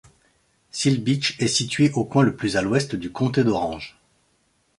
Seal Beach est située au coin le plus à l'ouest du comté d'Orange.